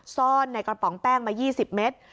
ซ่อนในกระป๋องแป้งมา๒๐เมตร